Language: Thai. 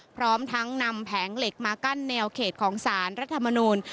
พร้อมทั้งนำแผงเหล็กมากั้นแนวเขตของสารรัฐมนูล